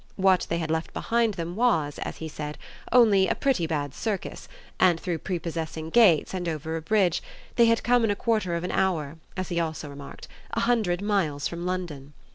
What they had left behind them was, as he said, only a pretty bad circus, and, through prepossessing gates and over a bridge, they had come in a quarter of an hour, as he also remarked, a hundred miles from London.